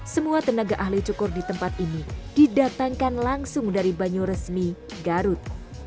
semua tenaga ahli cukur di tempat ini didatangkan langsung dari banyuresmi garut